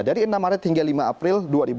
dari enam maret hingga lima april dua ribu dua puluh